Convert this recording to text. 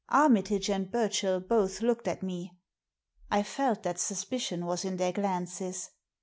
Armitage and Burchell both looked at me. I felt that suspicion was in their glances.